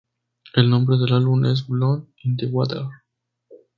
El nombre del álbum es "Blood In The Water".